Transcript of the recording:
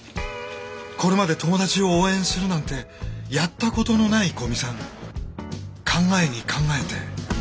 これまで友達を応援するなんてやったことのない古見さん考えに考えて。